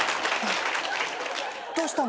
どうしたの？